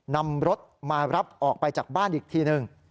นำรถมารับออกไปจากบ้านอีกทีหนึ่ง